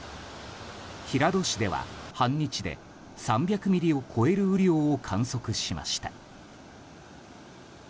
平戸市では、半日で３００ミリを超える雨量を観測しました。